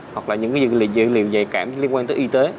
hoặc là những dữ liệu nhạy cảm liên quan tới y tế